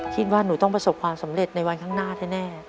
คิดว่าหนูต้องประสบความสำเร็จในวันข้างหน้าแน่